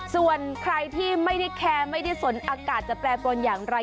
ส่วนใครที่ไม่ได้แคร์ไม่ได้สนอากาศจะแปรปรวนอย่างไร